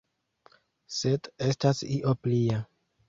Sed estas io plia.